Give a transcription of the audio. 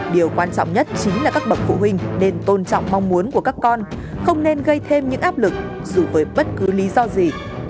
điều quan trọng nhất chính là các bậc phụ huynh nên tôn trọng mong muốn của các con không nên gây thêm những áp lực dù với bất cứ lý do gì